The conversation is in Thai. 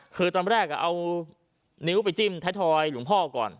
คือตอนแรกเอานิ้วไปจิ้มไทยทอยหลวงพ่อก่อน